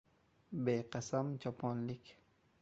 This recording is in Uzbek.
Beqasam choponlik: